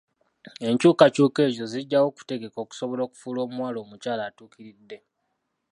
Enkyukakyuka ezo zijjawo kutegeka okusobola okufuula omuwala omukyala atuukiridde.